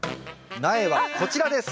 苗はこちらです。